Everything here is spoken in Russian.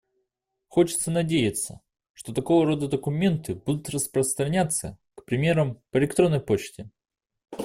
Хочется надеяться, что такого рода документы будут распространяться, к примеру, по электронной почте.